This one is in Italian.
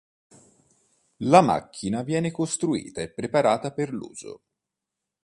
La macchina viene costruita e preparata per l'uso.